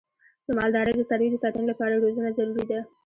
د مالدارۍ د څارویو د ساتنې لپاره روزنه ضروري ده.